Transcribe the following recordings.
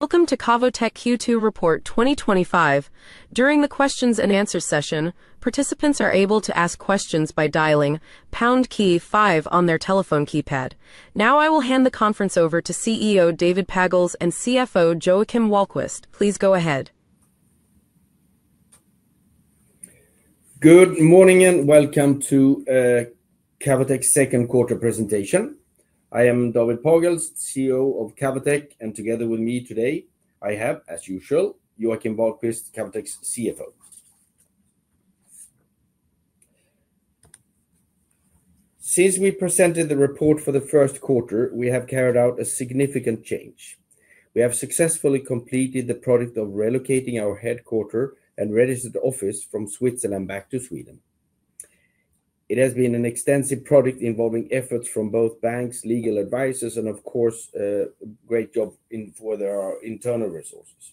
Welcome to Cavotec Q2 report 2025. During the questions-and-answers session, participants are able to ask questions by dialing pound key five on their telephone keypad. Now, I will hand the conference over to CEO David Pagels and CFO Joakim Wahlquist. Please go ahead. Good morning and welcome to Cavotec's second quarter presentation. I am David Pagels, CEO of Cavotec, and together with me today, I have, as usual, Joakim Wahlquist, Cavotec's CFO. Since we presented the report for the first quarter, we have carried out a significant change. We have successfully completed the project of relocating our headquarters and registered office from Switzerland back to Sweden. It has been an extensive project involving efforts from both banks, legal advisors, and of course, a great job for our internal resources.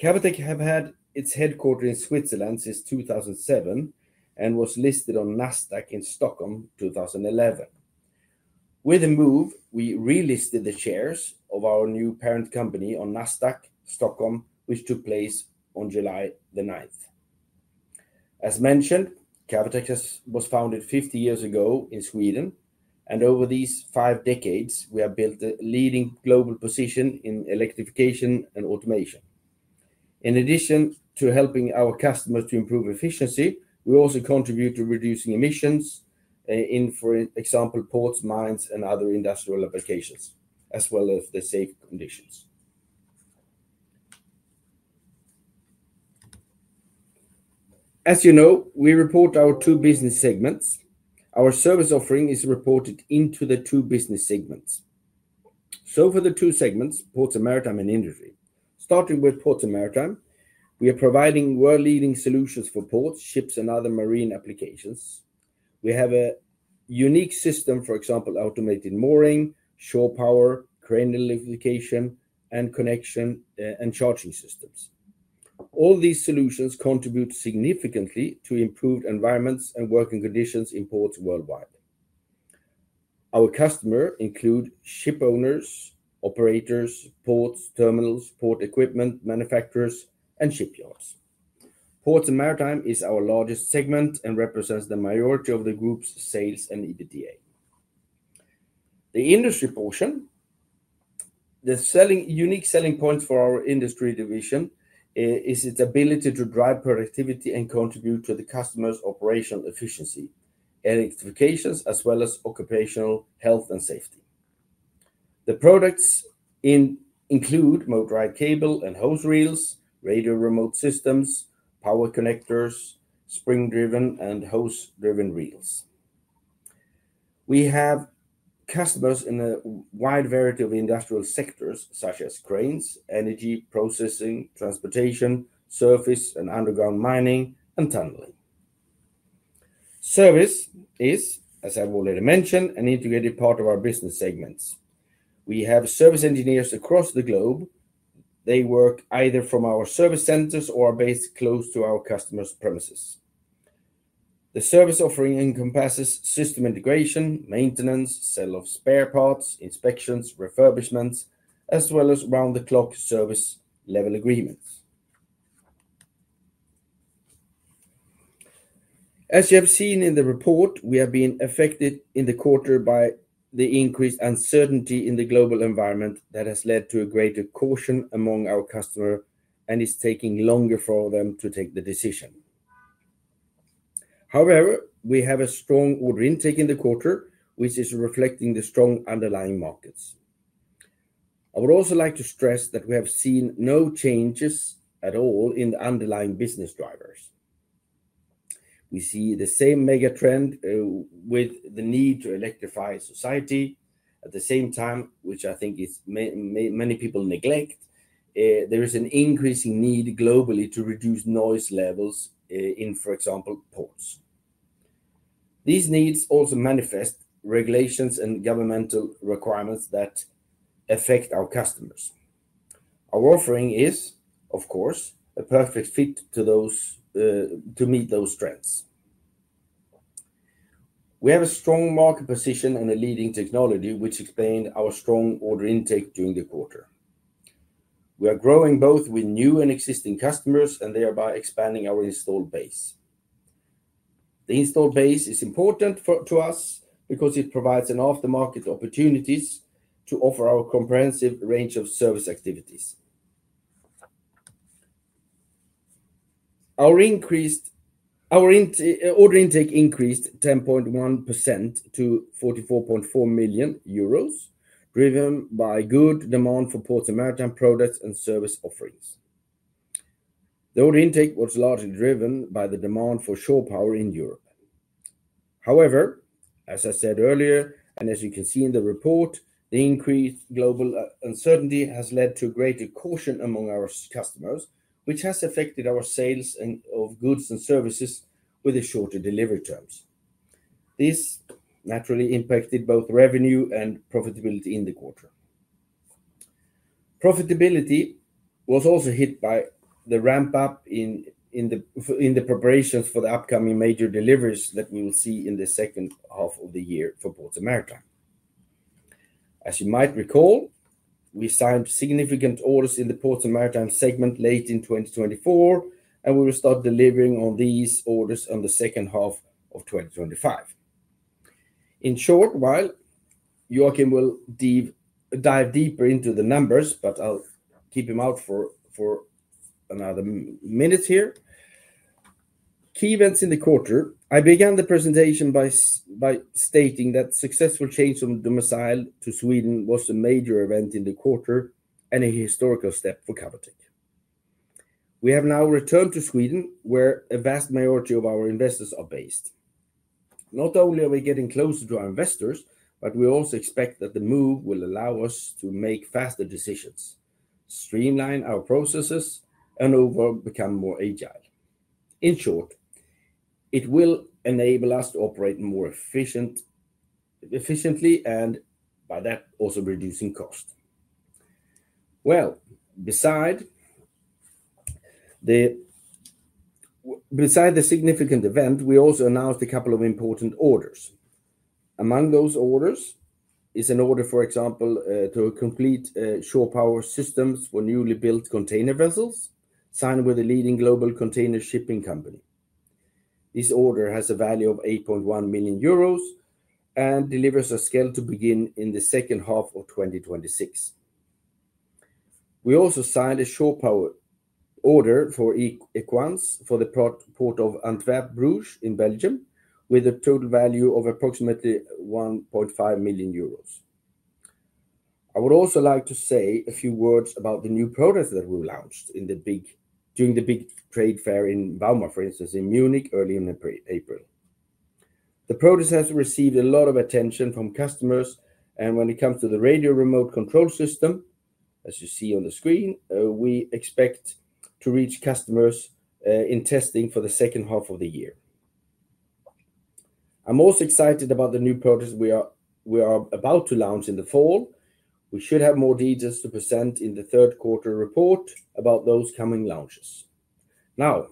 Cavotec has had its headquarters in Switzerland since 2007 and was listed on Nasdaq in Stockholm in 2011. With the move, we relisted the shares of our new parent company on Nasdaq Stockholm, which took place on July 9. As mentioned, Cavotec was founded 50 years ago in Sweden, and over these five decades, we have built a leading global position in electrification and automation. In addition to helping our customers to improve efficiency, we also contribute to reducing emissions in, for example, ports, mines, and other industrial applications, as well as the safe conditions. As you know, we report our two business segments. Our service offering is reported into the two business segments. For the two segments, ports and maritime industry. Starting with ports and maritime, we are providing world-leading solutions for ports, ships, and other marine applications. We have a unique system, for example, automated mooring, shore power, crane electrification, and connection and charging systems. All these solutions contribute significantly to improved environments and working conditions in ports worldwide. Our customers include shipowners, operators, ports, terminals, port equipment manufacturers, and shipyards. Ports and maritime is our largest segment and represents the majority of the group's sales and EBITDA. The industry portion, the unique selling points for our industry division, is its ability to drive productivity and contribute to the customer's operational efficiency, electrification, as well as occupational health and safety. The products include motorized cable and hose reels, radio remote systems, power connectors, spring-driven, and hose-driven reels. We have customers in a wide variety of industrial sectors such as cranes, energy, processing, transportation, surface and underground mining, and tunneling. Service is, as I've already mentioned, an integrated part of our business segments. We have service engineers across the globe. They work either from our service centers or are based close to our customers' premises. The service offering encompasses system integration, maintenance, sale of spare parts, inspections, refurbishments, as well as round-the-clock service level agreements. As you have seen in the report, we have been affected in the quarter by the increased uncertainty in the global environment that has led to a greater caution among our customers and is taking longer for them to take the decision. However, we have a strong order intake in the quarter, which is reflecting the strong underlying markets. I would also like to stress that we have seen no changes at all in the underlying business drivers. We see the same mega trend with the need to electrify society. At the same time, which I think many people neglect, there is an increasing need globally to reduce noise levels in, for example, ports. These needs also manifest regulations and governmental requirements that affect our customers. Our offering is, of course, a perfect fit to meet those strengths. We have a strong market position and a leading technology, which explains our strong order intake during the quarter. We are growing both with new and existing customers and thereby expanding our installed base. The installed base is important to us because it provides an aftermarket opportunity to offer our comprehensive range of service activities. Our order intake increased 10.1% to 44.4 million euros, driven by good demand for ports and maritime products and service offerings. The order intake was largely driven by the demand for shore power in Europe. However, as I said earlier, and as you can see in the report, the increased global uncertainty has led to greater caution among our customers, which has affected our sales of goods and services with the shorter delivery terms. This naturally impacted both revenue and profitability in the quarter. Profitability was also hit by the ramp-up in the preparations for the upcoming major deliveries that we will see in the second half of the year for ports and maritime. As you might recall, we signed significant orders in the ports and maritime segment late in 2024, and we will start delivering on these orders in the second half of 2025. In short, while Joakim will dive deeper into the numbers, I'll keep him out for another minute here. Key events in the quarter. I began the presentation by stating that the successful change from domicile to Sweden was a major event in the quarter and a historical step for Cavotec. We have now returned to Sweden, where a vast majority of our investors are based. Not only are we getting closer to our investors, but we also expect that the move will allow us to make faster decisions, streamline our processes, and overall become more agile. In short, it will enable us to operate more efficiently and by that also reducing costs. Beside the significant event, we also announced a couple of important orders. Among those orders is an order, for example, to complete shore power systems for newly built container vessels, signed with a leading global container shipping company. This order has a value of 8.1 million euros and deliveries are scheduled to begin in the second half of 2026. We also signed a shore power order for Equans for the Port of Antwerp-Bruges in Belgium, with a total value of approximately 1.5 million euros. I would also like to say a few words about the new products that we launched during the big trade fair in Bauma, for instance, in Munich, early in April. The product has received a lot of attention from customers, and when it comes to the radio remote control system, as you see on the screen, we expect to reach customers in testing for the second half of the year. I'm also excited about the new products we are about to launch in the fall. We should have more details to present in the third quarter report about those coming launches. Now,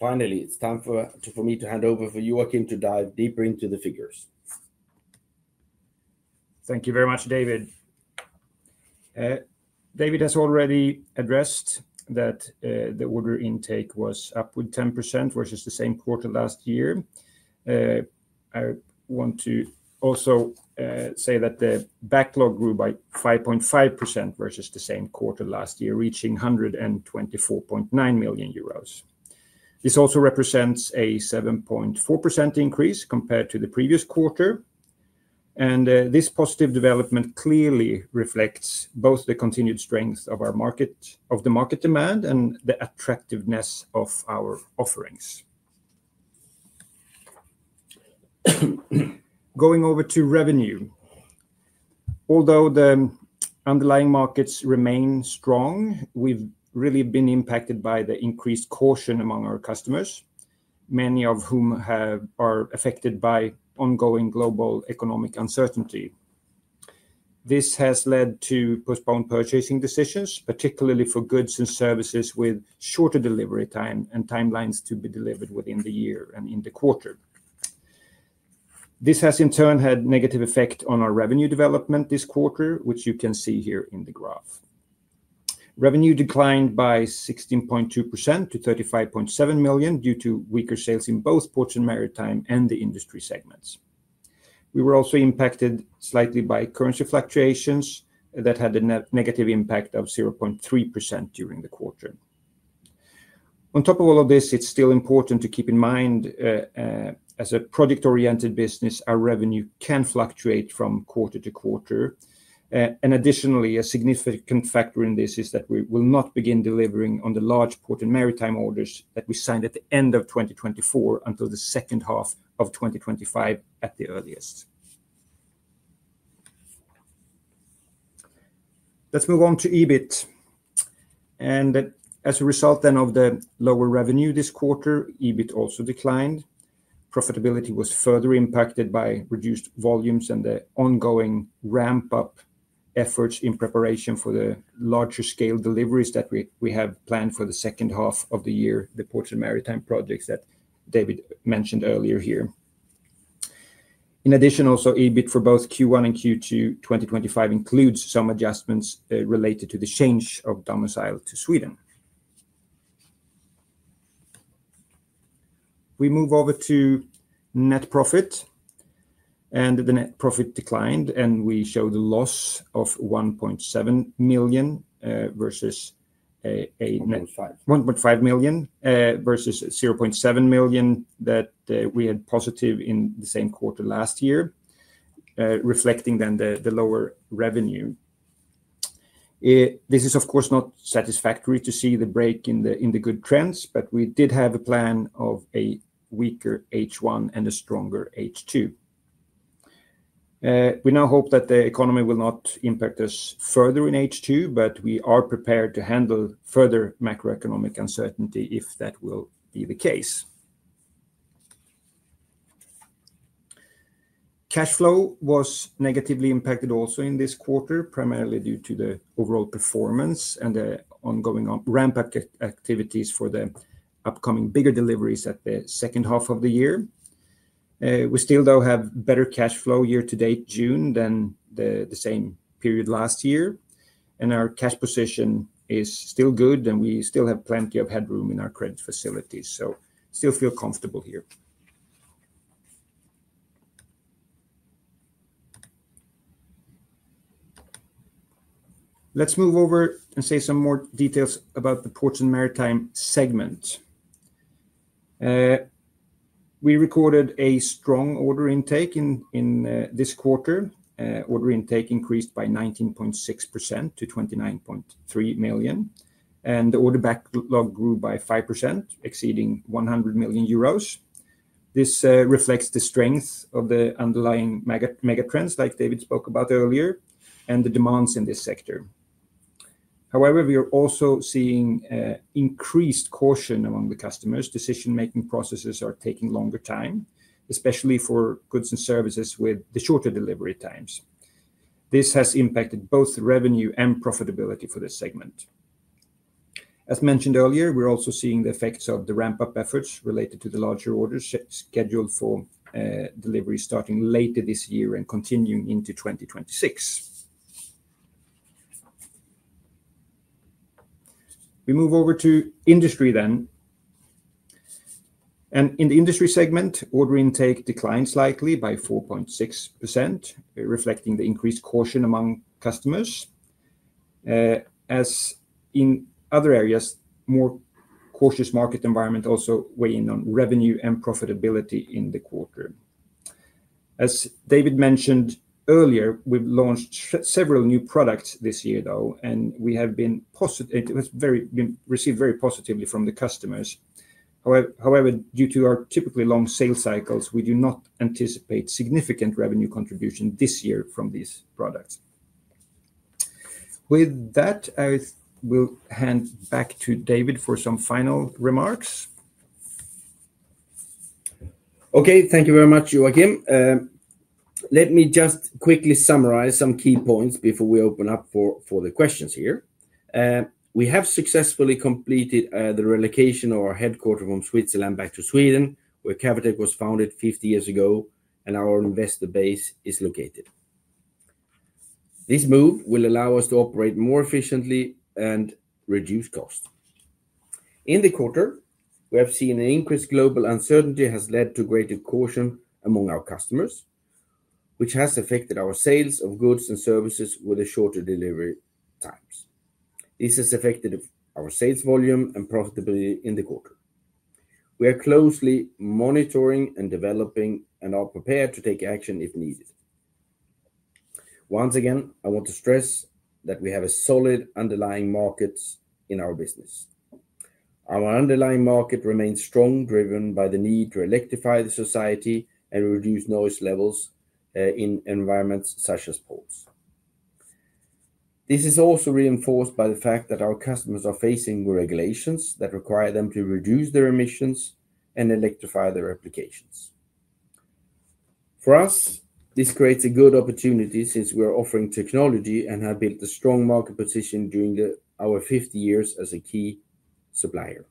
finally, it's time for me to hand over for Joakim to dive deeper into the figures. Thank you very much, David. David has already addressed that the order intake was up with 10%, which is the same quarter last year. I want to also say that the backlog grew by 5.5% versus the same quarter last year, reaching 124.9 million euros. This also represents a 7.4% increase compared to the previous quarter, and this positive development clearly reflects both the continued strength of the market demand and the attractiveness of our offerings. Going over to revenue. Although the underlying markets remain strong, we've really been impacted by the increased caution among our customers, many of whom are affected by ongoing global economic uncertainty. This has led to postponed purchasing decisions, particularly for goods and services with shorter delivery times and timelines to be delivered within the year and in the quarter. This has, in turn, had a negative effect on our revenue development this quarter, which you can see here in the graph. Revenue declined by 16.2% to 35.7 million due to weaker sales in both ports and maritime and the industry segments. We were also impacted slightly by currency fluctuations that had a negative impact of 0.3% during the quarter. On top of all of this, it's still important to keep in mind, as a project-oriented business, our revenue can fluctuate from quarter to quarter, and additionally, a significant factor in this is that we will not begin delivering on the large port and maritime orders that we signed at the end of 2024 until the second half of 2025 at the earliest. Let's move on to EBIT. As a result, then, of the lower revenue this quarter, EBIT also declined. Profitability was further impacted by reduced volumes and the ongoing ramp-up efforts in preparation for the larger-scale deliveries that we have planned for the second half of the year, the ports and maritime projects that David mentioned earlier here. In addition, also, EBIT for both Q1 and Q2 2025 includes some adjustments related to the change of domicile to Sweden. We move over to net profit, and the net profit declined, and we showed a loss of 1.7 million versus a net profit of 1.5 million versus 0.7 million that we had positive in the same quarter last year, reflecting then the lower revenue. This is, of course, not satisfactory to see the break in the good trends, but we did have a plan of a weaker H1 and a stronger H2. We now hope that the economy will not impact us further in H2, but we are prepared to handle further macroeconomic uncertainty if that will be the case. Cash flow was negatively impacted also in this quarter, primarily due to the overall performance and the ongoing ramp-up activities for the upcoming bigger deliveries at the second half of the year. We still, though, have better cash flow year to date, June, than the same period last year, and our cash position is still good, and we still have plenty of headroom in our credit facilities, so still feel comfortable here. Let's move over and say some more details about the ports and maritime segment. We recorded a strong order intake in this quarter. Order intake increased by 19.6% to 29.3 million, and the order backlog grew by 5%, exceeding 100 million euros. This reflects the strength of the underlying mega trends, like David spoke about earlier, and the demands in this sector. However, we are also seeing increased caution among the customers. Decision-making processes are taking longer time, especially for goods and services with the shorter delivery times. This has impacted both the revenue and profitability for this segment. As mentioned earlier, we're also seeing the effects of the ramp-up efforts related to the larger orders scheduled for delivery starting later this year and continuing into 2026. We move over to industry then. In the industry segment, order intake declined slightly by 4.6%, reflecting the increased caution among customers. As in other areas, a more cautious market environment also weighs in on revenue and profitability in the quarter. As David mentioned earlier, we've launched several new products this year, though, and we have been received very positively from the customers. However, due to our typically long sales cycles, we do not anticipate significant revenue contribution this year from these products. With that, I will hand back to David for some final remarks. Okay, thank you very much, Joakim. Let me just quickly summarize some key points before we open up for the questions here. We have successfully completed the relocation of our headquarters from Switzerland back to Sweden, where Cavotec was founded 50 years ago, and our investor base is located. This move will allow us to operate more efficiently and reduce costs. In the quarter, we have seen an increased global uncertainty that has led to greater caution among our customers, which has affected our sales of goods and services with the shorter delivery times. This has affected our sales volume and profitability in the quarter. We are closely monitoring and developing and are prepared to take action if needed. Once again, I want to stress that we have a solid underlying market in our business. Our underlying market remains strongly driven by the need to electrify the society and reduce noise levels in environments such as ports. This is also reinforced by the fact that our customers are facing regulations that require them to reduce their emissions and electrify their applications. For us, this creates a good opportunity since we are offering technology and have built a strong market position during our 50 years as a key supplier.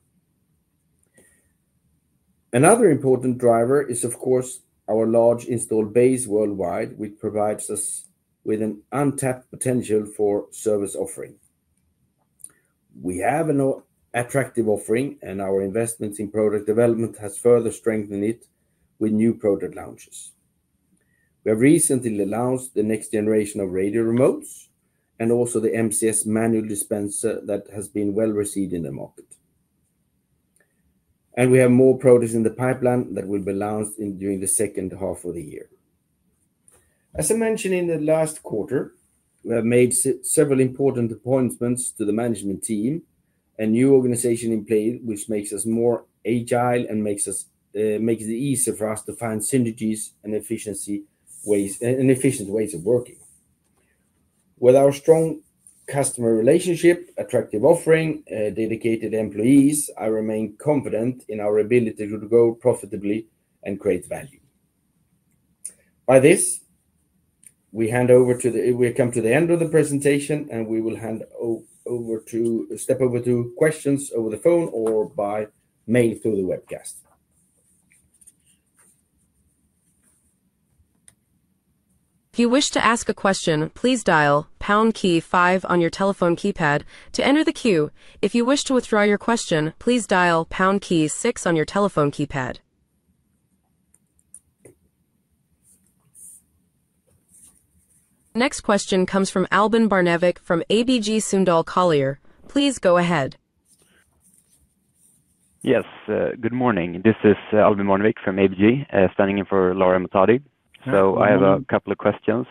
Another important driver is, of course, our large installed base worldwide, which provides us with an untapped potential for service offering. We have an attractive offering, and our investments in product development have further strengthened it with new product launches. We have recently launched the next-generation radio remote systems and also the MCS Manual Dispenser that has been well received in the market. We have more products in the pipeline that will be launched during the second half of the year. As I mentioned in the last quarter, we have made several important appointments to the management team and new organization in place, which makes us more agile and makes it easier for us to find synergies and efficient ways of working. With our strong customer relationship, attractive offering, and dedicated employees, I remain confident in our ability to grow profitably and create value. By this, we come to the end of the presentation, and we will hand over to step over to questions over the phone or by mail through the webcast. If you wish to ask a question, please dial pound key five on your telephone keypad to enter the queue. If you wish to withdraw your question, please dial pound key six on your telephone keypad. Next question comes from Albin Barnevik from ABG Sundal Collier. Please go ahead. Yes, good morning. This is Albin Barnevik from ABG standing in for Laura Matadi. I have a couple of questions.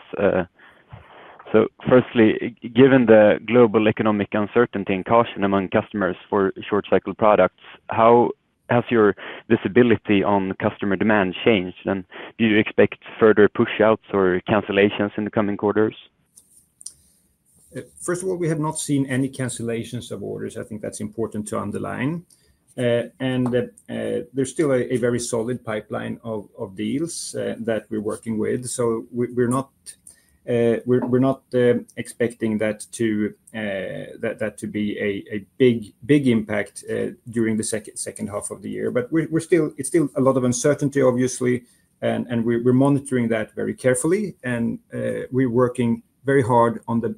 Firstly, given the global economic uncertainty and caution among customers for short-cycle products, how has your visibility on customer demand changed? Do you expect further push-outs or cancellations in the coming quarters? First of all, we have not seen any cancellations of orders. I think that's important to underline. There's still a very solid pipeline of deals that we're working with. We're not expecting that to be a big impact during the second half of the year. It's still a lot of uncertainty, obviously, and we're monitoring that very carefully. We're working very hard on the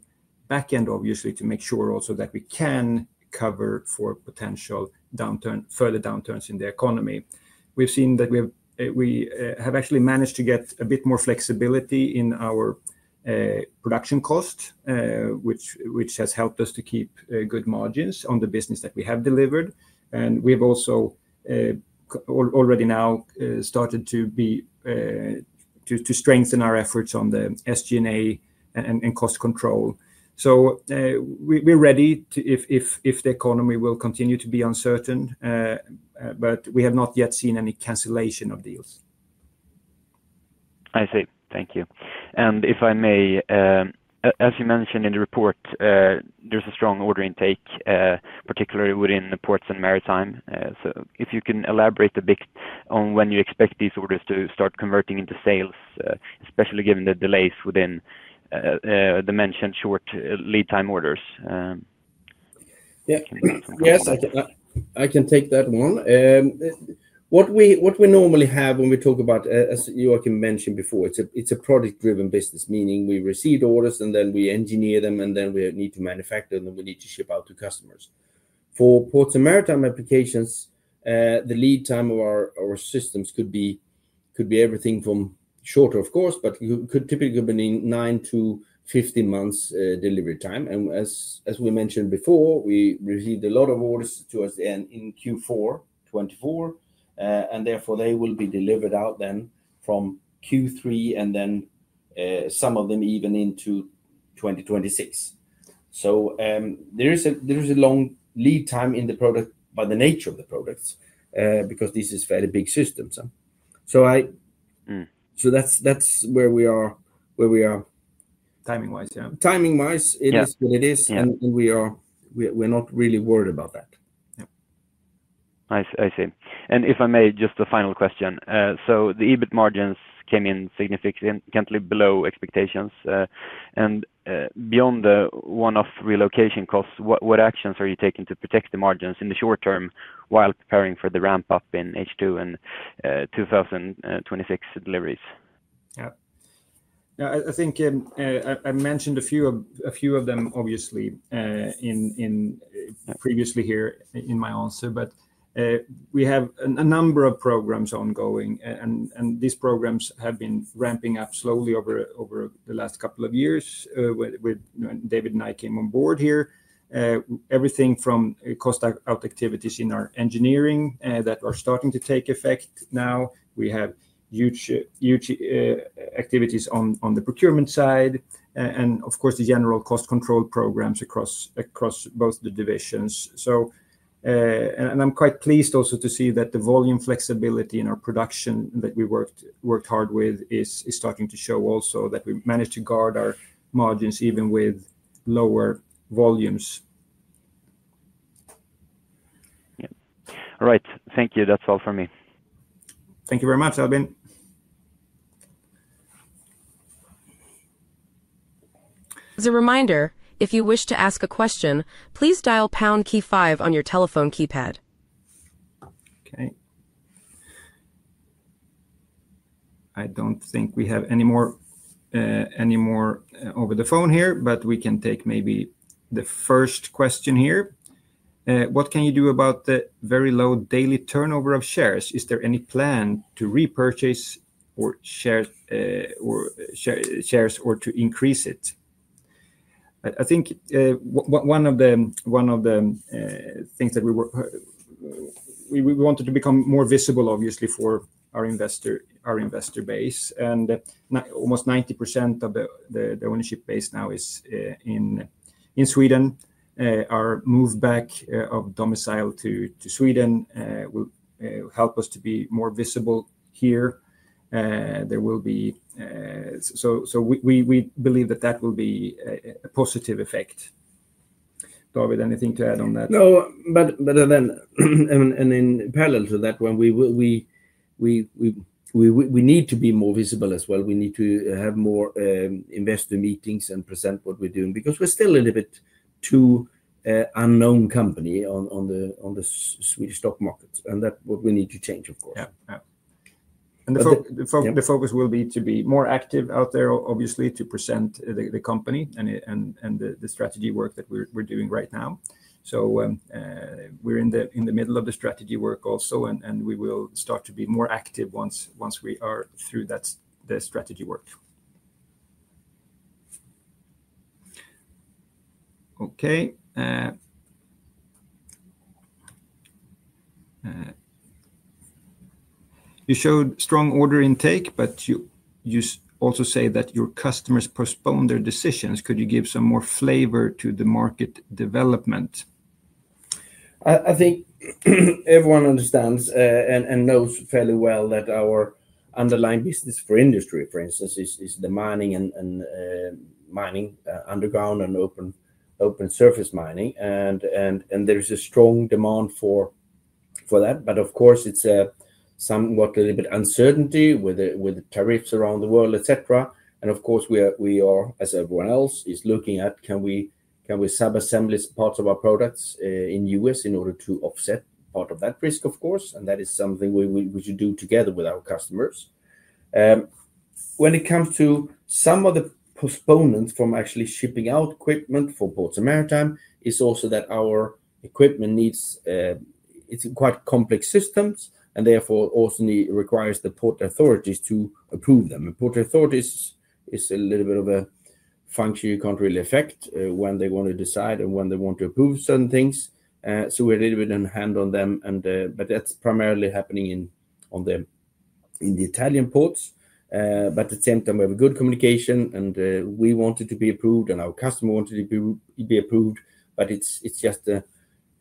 backend, obviously, to make sure also that we can cover for potential further downturns in the economy. We've seen that we have actually managed to get a bit more flexibility in our production costs, which has helped us to keep good margins on the business that we have delivered. We've also already now started to strengthen our efforts on the SG&A and cost control. We're ready if the economy will continue to be uncertain, but we have not yet seen any cancellation of deals. I see. Thank you. As you mentioned in the report, there's a strong order intake, particularly within the ports and maritime. If you can elaborate a bit on when you expect these orders to start converting into sales, especially given the delays within the mentioned short lead-time orders. Yes, I can take that one. What we normally have when we talk about, as Joakim mentioned before, it's a product-driven business, meaning we receive orders and then we engineer them, and then we need to manufacture them, and then we need to ship out to customers. For ports and maritime applications, the lead time of our systems could be everything from shorter, of course, but could typically be between 9-15 months delivery time. As we mentioned before, we received a lot of orders to us in Q4 2024, and therefore they will be delivered out then from Q3 and then some of them even into 2026. There is a long lead time in the product by the nature of the products because this is a fairly big system. That's where we are. Timing-wise, yeah. Timing-wise, it is what it is, and we're not really worried about that. I see. If I may, just a final question. The EBIT margins came in significantly below expectations. Beyond the one-off relocation costs, what actions are you taking to protect the margins in the short term while preparing for the ramp-up in H2 and 2026 deliveries? Yeah. I think I mentioned a few of them, obviously, previously here in my answer, but we have a number of programs ongoing, and these programs have been ramping up slowly over the last couple of years when David and I came on board here. Everything from cost out activities in our engineering that are starting to take effect now. We have huge activities on the procurement side, and of course, the general cost control programs across both the divisions. I'm quite pleased also to see that the volume flexibility in our production that we worked hard with is starting to show also that we managed to guard our margins even with lower volumes. All right. Thank you. That's all for me. Thank you very much, Albin. As a reminder, if you wish to ask a question, please dial pound key five on your telephone keypad. Okay. I don't think we have any more over the phone here, but we can take maybe the first question here. What can you do about the very low daily turnover of shares? Is there any plan to repurchase shares or to increase it? I think one of the things that we wanted is to become more visible, obviously, for our investor base. Almost 90% of the ownership base now is in Sweden. Our move back of domicile to Sweden will help us to be more visible here. We believe that that will be a positive effect. David, anything to add on that? No, but then in parallel to that, when we need to be more visible as well, we need to have more investor meetings and present what we're doing because we're still a little bit too unknown company on the Swedish stock market. That's what we need to change, of course. Yeah. The focus will be to be more active out there, obviously, to present the company and the strategy work that we're doing right now. We're in the middle of the strategy work also, and we will start to be more active once we are through that strategy work. Okay. You showed strong order intake, but you also say that your customers postpone their decisions. Could you give some more flavor to the market development? I think everyone understands and knows fairly well that our underlying business for industry, for instance, is the mining and mining underground and open surface mining. There's a strong demand for them. Of course, it's somewhat a little bit uncertainty with the tariffs around the world, etc. Of course, we are, as everyone else, looking at can we subassemble parts of our products in the U.S. in order to offset part of that risk, of course. That is something we should do together with our customers. When it comes to some of the postponements from actually shipping out equipment for ports and maritime, it's also that our equipment needs, it's quite complex systems, and therefore also requires the port authorities to approve them. Port authorities is a little bit of a function you can't really affect when they want to decide or when they want to approve certain things. We're a little bit in hand on them, but that's primarily happening in the Italian ports. At the same time, we have a good communication, and we want it to be approved, and our customer wants it to be approved. It's just a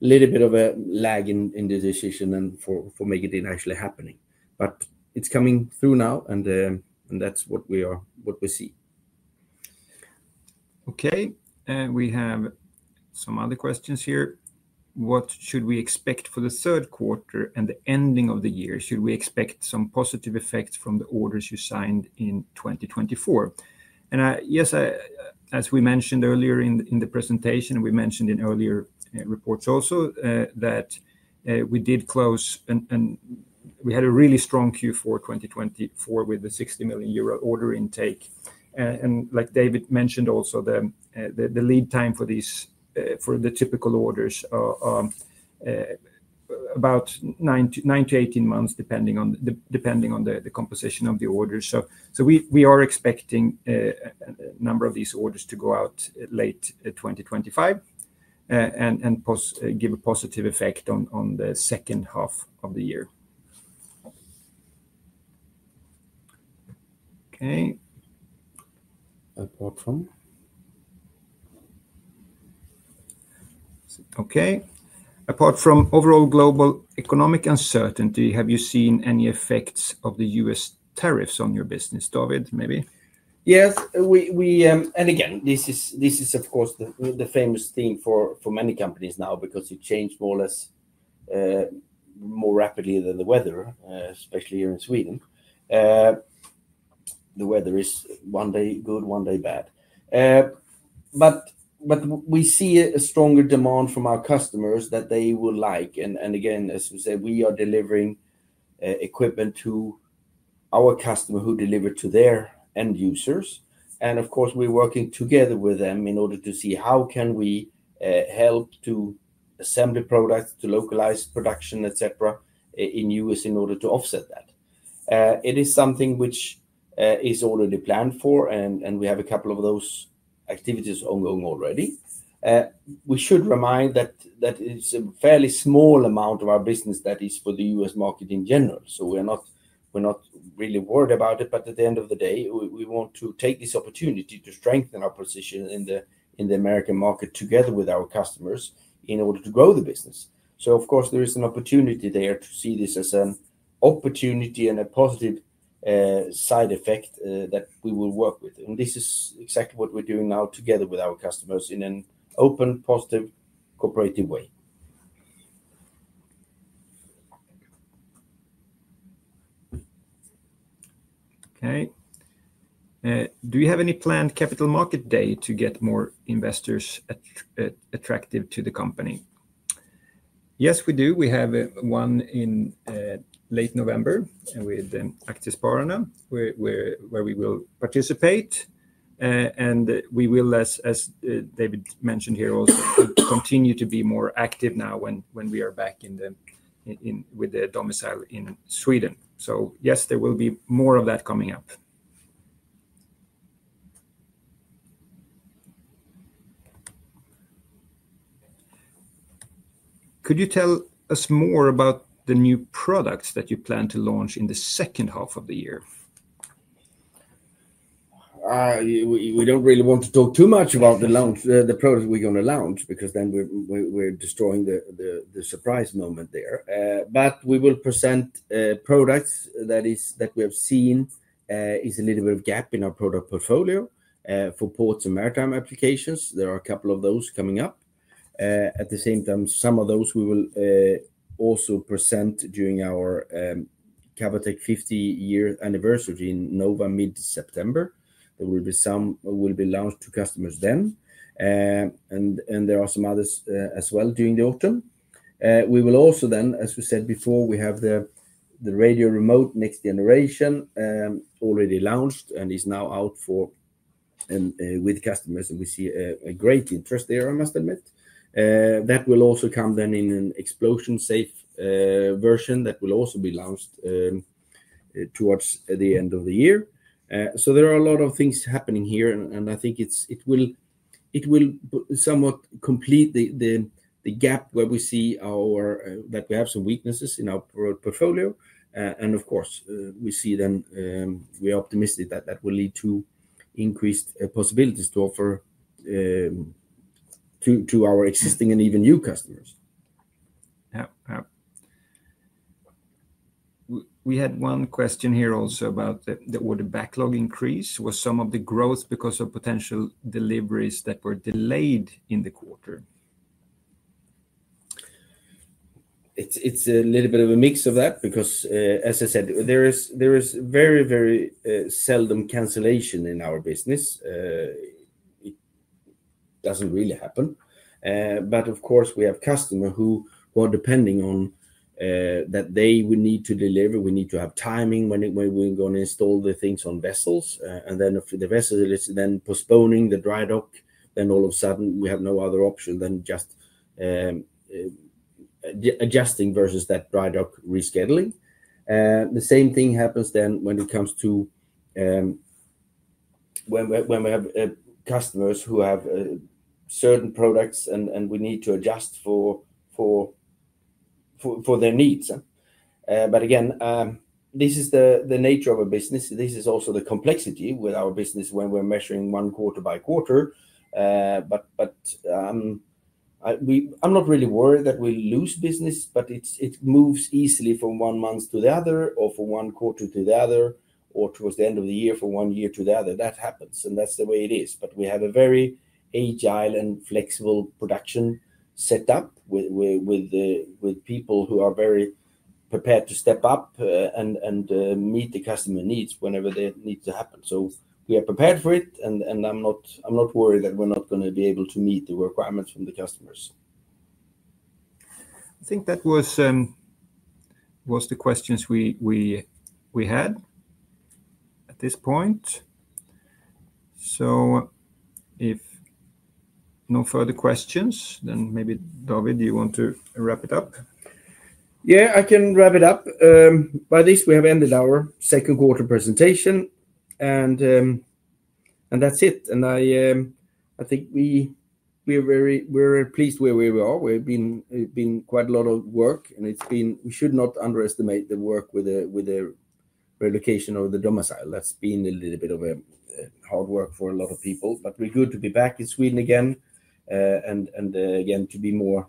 little bit of a lag in the decision and for making it actually happen. It's coming through now, and that's what we see. Okay. We have some other questions here. What should we expect for the third quarter and the ending of the year? Should we expect some positive effects from the orders you signed in 2024? Yes, as we mentioned earlier in the presentation, and we mentioned in earlier reports also, that we did close and we had a really strong Q4 2024 with the 60 million euro order intake. Like David mentioned also, the lead time for the typical orders is about 9-18 months, depending on the composition of the orders. We are expecting a number of these orders to go out late 2025 and give a positive effect on the second half of the year. Apart from overall global economic uncertainty, have you seen any effects of the U.S. tariffs on your business, David, maybe? Yes, we and again. This is, of course, the famous thing for many companies now because you change more or less more rapidly than the weather, especially here in Sweden. The weather is one day good, one day bad. We see a stronger demand from our customers that they will like. As we said, we are delivering equipment to our customers who deliver to their end users. Of course, we're working together with them in order to see how can we help to assemble the products to localized production, etc., in the U.S. in order to offset that. It is something which is already planned for, and we have a couple of those activities ongoing already. We should remind that it's a fairly small amount of our business that is for the U.S. market in general. We're not really worried about it. At the end of the day, we want to take this opportunity to strengthen our position in the American market together with our customers in order to grow the business. There is an opportunity there to see this as an opportunity and a positive side effect that we will work with. This is exactly what we're doing now together with our customers in an open, positive, cooperative way. Do you have any planned capital market day to get more investors attracted to the company? Yes, we do. We have one in late November with Access Parana, where we will participate. We will, as David mentioned here, also continue to be more active now when we are back with the domicile in Sweden. Yes, there will be more of that coming up. Could you tell us more about the new products that you plan to launch in the second half of the year? We don't really want to talk too much about the products we're going to launch because then we're destroying the surprise moment there. We will present products that we have seen is a little bit of a gap in our product portfolio for ports and maritime applications. There are a couple of those coming up. At the same time, some of those we will also present during our Cavotec 50-year anniversary in Nova mid-September. There will be some that will be launched to customers then. There are some others as well during the autumn. We will also then, as we said before, we have the next-generation radio remote systems already launched and is now out with customers that we see a great interest there, I must admit. That will also come then in an explosion-safe version that will also be launched towards the end of the year. There are a lot of things happening here, and I think it will somewhat complete the gap where we see that we have some weaknesses in our portfolio. Of course, we see then, we are optimistic that that will lead to increased possibilities to offer to our existing and even new customers. We had one question here also about the order backlog increase. Was some of the growth because of potential deliveries that were delayed in the quarter? It's a little bit of a mix of that because, as I said, there is very, very seldom cancellation in our business. It doesn't really happen. Of course, we have customers who are depending on that they would need to deliver. We need to have timing when we're going to install the things on vessels. If the vessel is then postponing the dry dock, then all of a sudden we have no other option than just adjusting versus that dry dock rescheduling. The same thing happens when it comes to when we have customers who have certain products and we need to adjust for their needs. Again, this is the nature of our business. This is also the complexity with our business when we're measuring one quarter-by-quarter. I'm not really worried that we'll lose business, but it moves easily from one month to the other or from one quarter to the other or towards the end of the year from one year to the other. That happens, and that's the way it is. We have a very agile and flexible production set up with people who are very prepared to step up and meet the customer needs whenever they need to happen. We are prepared for it, and I'm not worried that we're not going to be able to meet the requirements from the customers. I think that was the questions we had at this point. If no further questions, then maybe, David, do you want to wrap it up? Yeah, I can wrap it up. By this, we have ended our second quarter presentation, and that's it. I think we're very pleased where we are. We've been quite a lot of work, and we should not underestimate the work with the relocation of the domicile. That's been a little bit of hard work for a lot of people, but we're good to be back in Sweden again and again to be more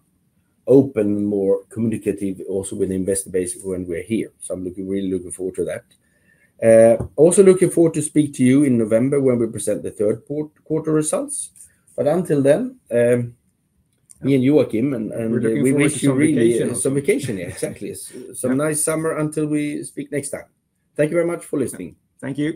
open, more communicative also with the investor base when we're here. I'm really looking forward to that. Also looking forward to speaking to you in November when we present the third quarter results. Until then, me and Joakim, and we wish you really some vacation here. Thank you, David. Exactly. Some nice summer until we speak next time. Thank you very much for listening. Thank you.